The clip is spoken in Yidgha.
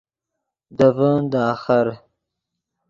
دے ڤین دے آخر